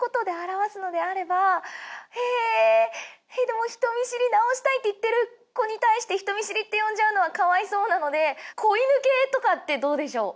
でも人見知り直したいって言ってる子に対して人見知りって呼んじゃうのはかわいそうなので子犬系とかってどうでしょう？